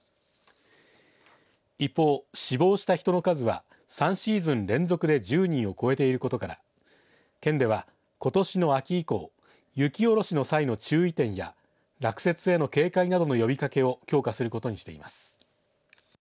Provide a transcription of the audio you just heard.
一方、死亡した人の数は３シーズン連続で１０人を超えていることから県ではことしの秋以降雪下ろしの際の注意点や落雪への警戒などの呼びかけを強化することにしています。